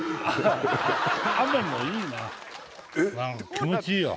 気持ちいいよ。